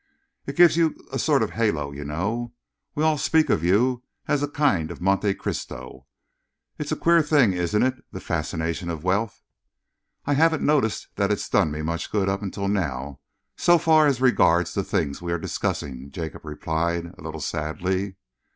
"It gives you a sort of halo, you know. We all speak of you as a kind of Monte Cristo. It's a queer thing, isn't it, the fascination of wealth?" "I haven't noticed that it's done me much good up till now, so far as regards the things we were discussing," Jacob replied, a little sadly.